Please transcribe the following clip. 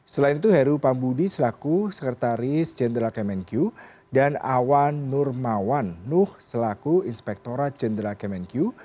selain itu heru pambudi selaku sekretaris jenderal kemenku dan awan nurmawan nuh selaku inspektora jenderal kemenku